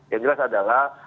yang jelas adalah